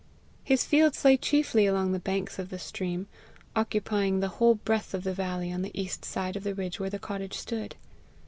His fields lay chiefly along the banks of the stream, occupying the whole breadth of the valley on the east side of the ridge where the cottage stood.